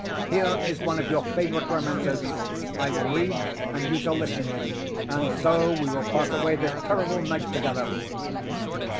Here is one of your favorite romances. I will read, and you shall listen;—and so we will pass away this terrible night together."